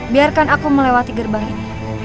biarkan aku melewati gerbang ini